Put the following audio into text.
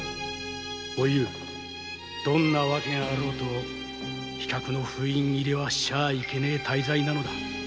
おゆうどんな訳があろうと飛脚の封印切りはしてはいけねえ大罪なのだ